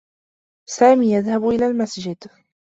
سامي يذهب إلى المسجد.